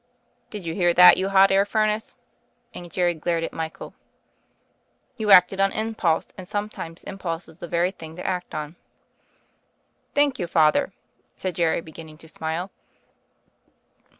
"Did you hear that, you hot air furnace?" and Jerry glared at Michael. "You acted on impulse: and sometimes im pulse is the very thing to act upon." "Thank you. Father," said Jerry beginning to smile.